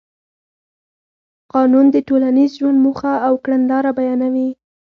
قانون د ټولنیز ژوند موخه او کړنلاره بیانوي.